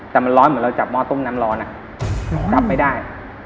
แต่มันร้อนเหมือนเราจับหม้อต้มน้ำร้อนจับไม่ได้